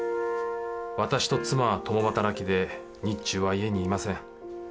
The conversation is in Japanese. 私と妻は共働きで日中は家にいません。